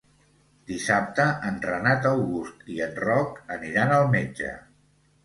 Dissabte en Renat August i en Roc aniran al metge.